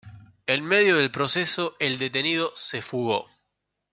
En medio del proceso, el detenido se fugó.